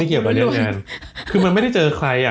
เกี่ยวกับเรื่องงานคือมันไม่ได้เจอใครอ่ะ